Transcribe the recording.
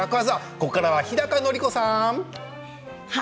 ここからは日高のり子さん。